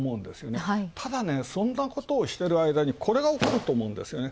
ただ、そんなことをしてる間、これが起こると思うんですよね。